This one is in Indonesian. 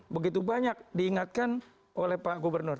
begitu banyak diingatkan oleh pak gubernur